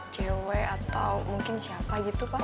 cewek atau mungkin siapa gitu pak